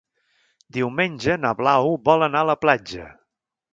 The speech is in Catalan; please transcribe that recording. Diumenge na Blau vol anar a la platja.